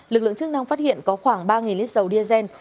lực lượng chức năng phát hiện có khoảng ba lít dầu diazen